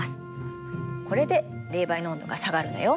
これで冷媒の温度が下がるのよ。